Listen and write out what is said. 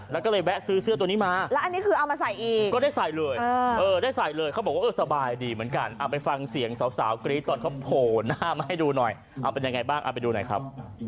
โหหน้ามาให้ดูหน่อยเอาเป็นยังไงบ้างเอาไปดูหน่อยครับ